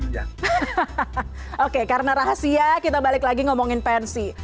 hahaha oke karena rahasia kita balik lagi ngomongin pensi